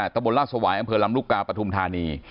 ตะบนราชสวายอำเภอลำลูกกาปฐุมธานี